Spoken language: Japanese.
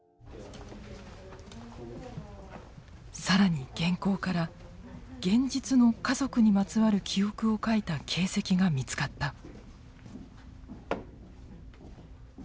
更に原稿から現実の家族にまつわる記憶を書いた形跡が見つかった。